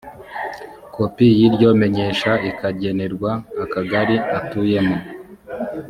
kopi y’ iryo menyesha ikagenerwa akagari atuyemo